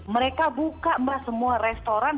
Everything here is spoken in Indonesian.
mereka buka mbak semua restoran